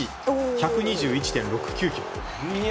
１２１．６９キロ。